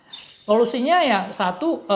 oke solusinya ke depan apa pak alphon